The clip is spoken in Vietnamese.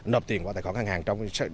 nộp tiền vào tài khoản ngân hàng